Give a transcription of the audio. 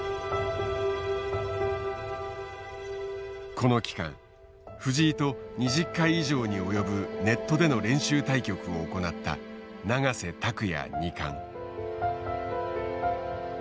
この期間藤井と２０回以上に及ぶネットでの練習対局を行った永瀬拓矢二冠。